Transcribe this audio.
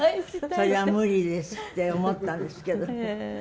それは無理ですって思ったんですけど。